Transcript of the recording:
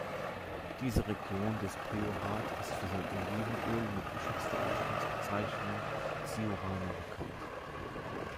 Diese Region des Priorat ist für sein Olivenöl mit geschützter Ursprungsbezeichnung "Siurana" bekannt.